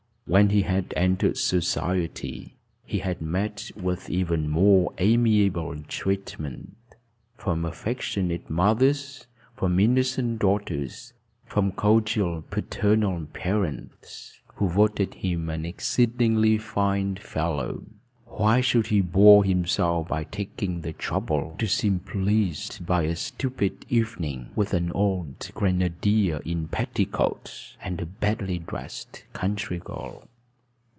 When he had entered society, he had met with even more amiable treatment from affectionate mothers, from innocent daughters, from cordial paternal parents, who voted him an exceedingly fine fellow. Why should he bore himself by taking the trouble to seem pleased by a stupid evening with an old grenadier in petticoats and a badly dressed country girl?